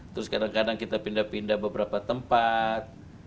terus kadang kadang kita pindah pindah beberapa tempat